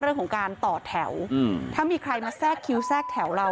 เรื่องของการต่อแถวถ้ามีใครมาแทรกคิวแทรกแถวเรา